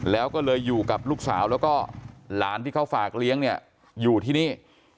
แล้วก็เลยอยู่กับลูกสาวแล้วก็หลานที่เขาฝากเลี้ยงเนี่ยอยู่ที่นี่